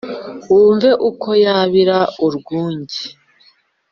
Wumve uko yabira urwunge